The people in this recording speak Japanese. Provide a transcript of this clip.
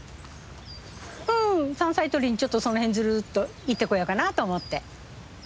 ん山菜とりにちょっとその辺ずるっと行ってこようかなと思って。